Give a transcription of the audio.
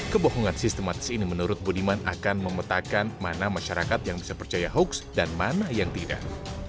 kebohongan sistematis ini menurut budiman akan memetakan mana masyarakat yang bisa percaya hoax dan mana yang tidak